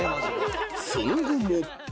［その後も］